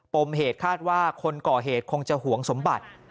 มเหตุคาดว่าคนก่อเหตุคงจะหวงสมบัติ